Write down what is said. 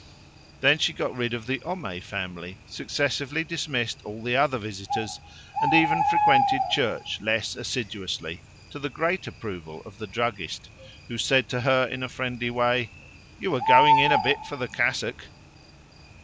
Then she got rid of the Homais family, successively dismissed all the other visitors, and even frequented church less assiduously, to the great approval of the druggist, who said to her in a friendly way "You were going in a bit for the cassock!"